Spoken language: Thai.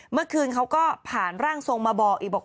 เมื่อคืนเขาก็ผ่านร่างทรงมาบอกอีกบอก